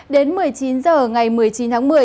đến một mươi chín h ngày một mươi chín tháng một mươi